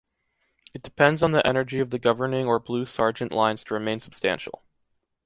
It depends on the energy of the governing or Blue Sargent lines to remain substantial.